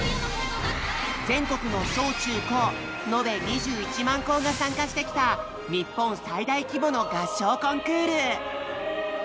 全国の小・中・高のべ２１万校が参加してきた日本最大規模の合唱コンクール！